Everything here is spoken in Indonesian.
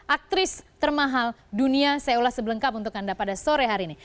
aktris termahal dunia saya ulas sebelengkap untuk anda pada sore hari ini